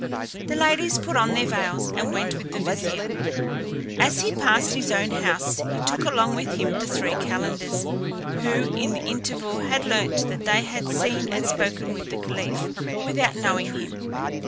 The ladies put on their veils, and went with the vizier As he passed his own house, he took along with him the three calenders, who in the interval had learnt that they had seen and spoken with the caliph, without knowing him.